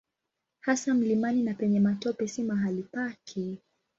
Hasa mlimani na penye matope si mahali pake.